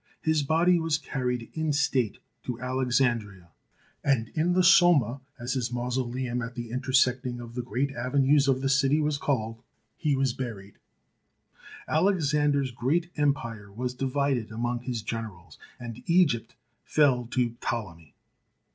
His body was carried in state to Alexandria, and in the Soma, as his mausoleum at the intersecting of the great avenues of the city was called, he was buried. Alexander's great empire was divided among his generals, and Egypt fell to Ptolemy.